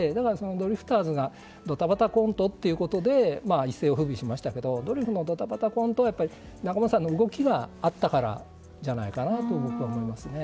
ドリフターズはドタバタコントということで一世を風靡しましたがドリフのドタバタコントは仲本さんの動きがあったからじゃないかなと思いますね。